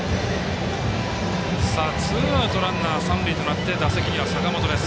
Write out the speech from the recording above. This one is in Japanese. ツーアウトランナー、三塁となって打席には坂本です。